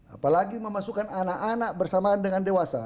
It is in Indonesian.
apalagi memasukkan anak anak bersamaan dengan dewasa